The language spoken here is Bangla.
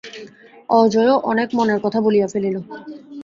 অজয়ও অনেক মনের কথা বলিয়া ফেলিল।